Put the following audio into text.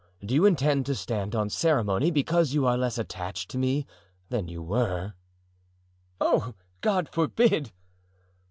Do you intend to stand on ceremony because you are less attached to me than you were?" "Oh! God forbid!"